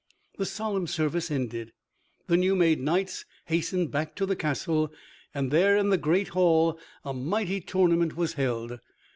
The solemn service ended, the new made knights hastened back to the castle, and there in the great hall a mighty tournament was held.